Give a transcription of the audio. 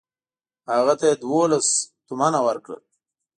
هغه ته یې دوولس تومنه ورکړل.